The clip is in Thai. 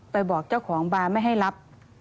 บอกเจ้าของบาร์ไม่ให้รับ